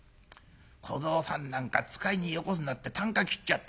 『小僧さんなんか使いによこすな』ってたんか切っちゃったよ。